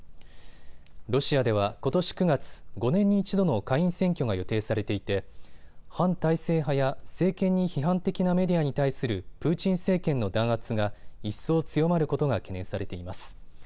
ロシアではことし９月、５年に１度の下院選挙が予定されていて反体制派や政権に批判的なメディアに対するプーチン政権の弾圧が一層強まることが懸念されています。